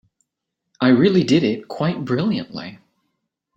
I really did it quite brilliantly.